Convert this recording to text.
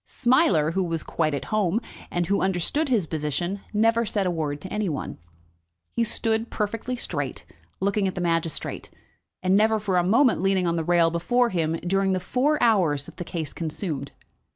Smiler, who was quite at home, and who understood his position, never said a word to any one. He stood, perfectly straight, looking at the magistrate, and never for a moment leaning on the rail before him during the four hours that the case consumed.